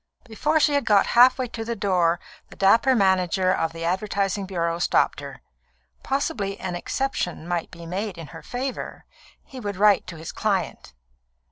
"] Before she had got half way to the door the dapper manager of the advertising bureau stopped her. Possibly an exception might be made in her favour; he would write to his client.